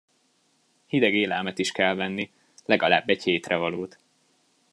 Hideg élelmet is kell venni, legalább egy hétre valót.